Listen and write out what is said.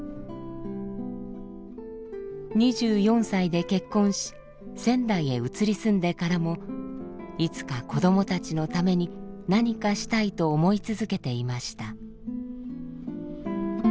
２４歳で結婚し仙台へ移り住んでからも「いつか子どもたちのために何かしたい」と思い続けていました。